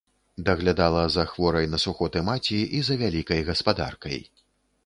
Даглядала за хворай на сухоты маці і за вялікай гаспадаркай.